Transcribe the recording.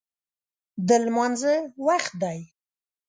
د لمانځه وخت دی